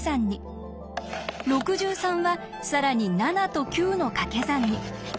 ６３は更に７と９のかけ算に。